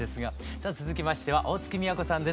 さぁ続きましては大月みやこさんです。